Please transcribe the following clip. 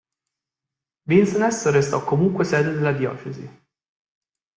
Vincennes restò comunque sede della diocesi.